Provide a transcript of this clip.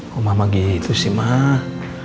kok mama gitu sih mah